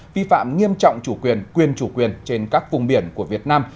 vi phạm nghiêm trọng chủ quyền quyền chủ quyền trên các vùng biển của việt nam